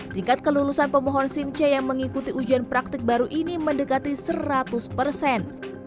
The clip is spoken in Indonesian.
tingkat kelulusan pemohon sim c yang mengikuti ujian praktik baru ini mendekati seratus persen